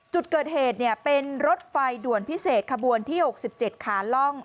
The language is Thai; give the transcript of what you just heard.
จุดเกิดเหตุเป็นรถไฟด่วนพิเศษขบวนที่๖๗ขาล่อง